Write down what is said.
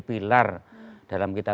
pilar dalam kita